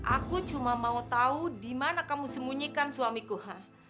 aku cuma mau tahu di mana kamu sembunyikan suamiku